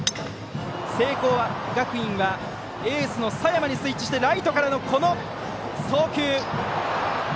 聖光学院はエースの佐山にスイッチしてライトからの、この送球。